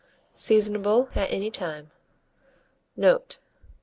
Seasonable at any time. Note.